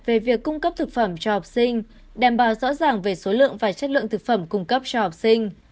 về việc cung cấp thực phẩm cho học sinh đảm bảo rõ ràng về số lượng và chất lượng thực phẩm cung cấp cho học sinh